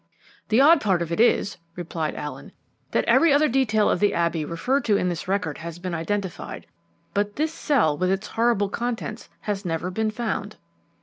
"The odd part of it is," replied Allen, "that every other detail of the Abbey referred to in this record has been identified; but this cell with its horrible contents has never been found."